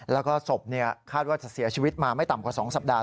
แล้วก็ศพคาดว่าจะเสียชีวิตมาไม่ต่ำกว่า๒สัปดาห